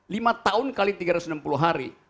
lima tahun kali tiga ratus enam puluh hari